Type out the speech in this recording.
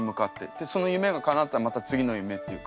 でその夢がかなったらまた次の夢っていうか。